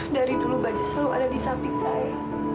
dari dulu baju selalu ada di samping saya